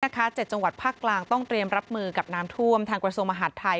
๗จังหวัดภาคกลางต้องเตรียมรับมือกับน้ำท่วมทางกระทรวงมหาดไทย